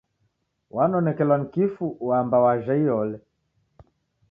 Wanonekelwa ni kifu wamba wajha iyole